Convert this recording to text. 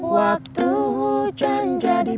waktu hujan jadi